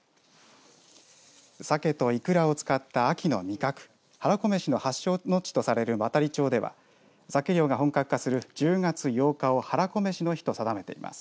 サケとイクラを使った秋の味覚はらこめしの発祥の地とされる亘理町ではサケ漁が本格化する１０月８日をはらこめしの日と定めています。